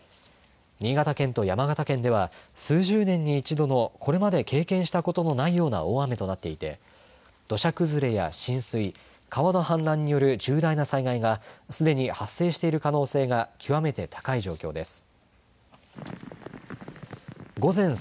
新潟県と山形県では数十年に一度のこれまで経験したことのないような大雨となっていて土砂崩れや浸水川の氾濫による重大な災害がすでに発生している可能性が極めて高い状況です。